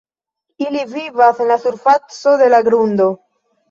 Ili vivas en la surfaco de la grundo.